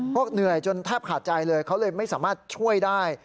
เหนื่อยจนแทบขาดใจเลยเขาเลยไม่สามารถช่วยได้